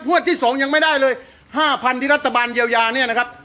หัวที่สองยังไม่ได้เลยห้าพันที่รัฐบาลเยียวยาเนี่ยนะครับ